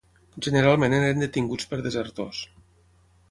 Generalment eren detinguts per desertors